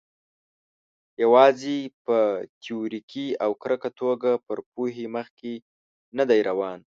یوازې په تیوریکي او کره توګه پر پوهې مخکې نه دی روان.